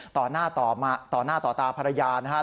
ต่อหน้าต่อตาภรรยานะครับ